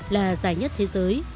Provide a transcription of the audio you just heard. là dài nhất thế giới